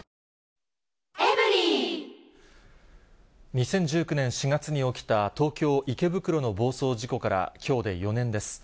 ２０１９年４月に起きた東京・池袋の暴走事故からきょうで４年です。